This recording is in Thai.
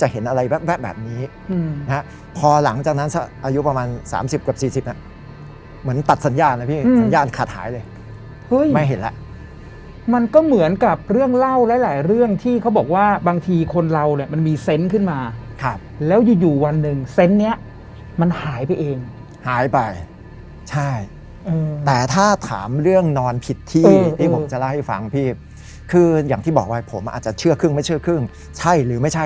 เห็นอะไรแบบนี้พอหลังจากนั้นอายุประมาณสามสิบกว่าสี่สิบเหมือนตัดสัญญาณสัญญาณขาดหายเลยไม่เห็นแล้วมันก็เหมือนกับเรื่องเล่าหลายเรื่องที่เขาบอกว่าบางทีคนเรามันมีเซนต์ขึ้นมาแล้วอยู่วันหนึ่งเซนต์เนี้ยมันหายไปเองหายไปใช่แต่ถ้าถามเรื่องนอนผิดที่ผมจะเล่าให้ฟังพี่คืออย่างที่บอกว่าผมอาจจะเชื่อครึ่งไม